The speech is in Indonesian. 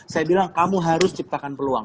saya bilang kamu harus ciptakan peluang